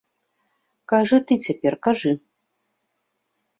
Кажы ты цяпер, кажы.